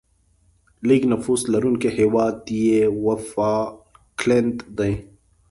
لیږ نفوس لرونکی هیواد یې وفالکلند دی.